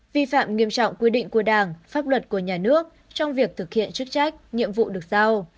vi phạm nghiêm trọng quy định của đảng pháp luật của nhà nước trong việc thực hiện chức trách nhiệm vụ được giao